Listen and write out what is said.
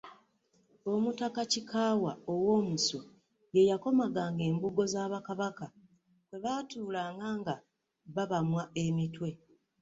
Omutaka Kikaawa Owoomusu ye yakomaganga embugo za Bakabaka kwe baatuulanga nga babamwa emitwe.